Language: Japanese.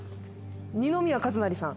二宮和也さん。